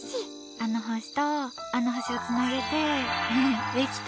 あの星と、あの星をつなげてできた！